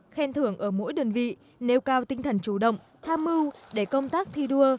khen thưởng ở mỗi đơn vị nêu cao tinh thần chủ động tham mưu để công tác thi đua